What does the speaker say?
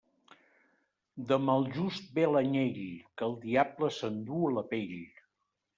De maljust ve l'anyell, que el diable s'enduu la pell.